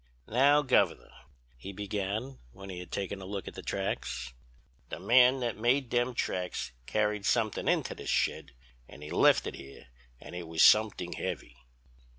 "'Now, Governor,' he began, when he had taken a look at the tracks, 'the man that made them tracks carried something into this shed, and he left it here, and it was something heavy.'